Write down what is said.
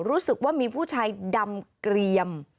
รู้สึกว่ามีผู้ชายดำเกลี่ยม